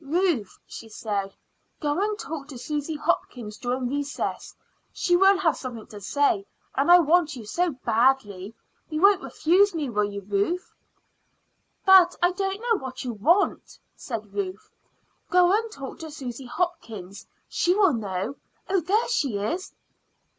"Ruth," she said, "go and talk to Susy Hopkins during recess. She will have something to say, and I want you so badly. You won't refuse me, will you, Ruth?" "But I don't know what you want," said Ruth. "Go and talk to Susy Hopkins; she will know. Oh, there she is!"